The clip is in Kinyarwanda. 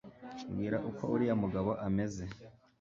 mbwira uko uriya mugabo ameze